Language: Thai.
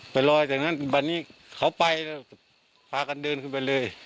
ไปรอจากนั้นบรรณีเขาไปพากันเดินขึ้นไปเลย